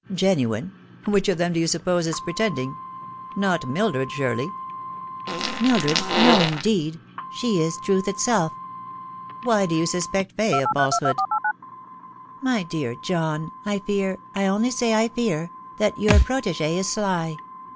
" Genuine ! which of them do you suppose is pretending ? Not Mildred, surely ?"" Mildred ! No, indeed. She is truth itself." " Why do you suspect Fay of falsehood ?"" My dear John, I fear I only say I fear that your protegee is sly.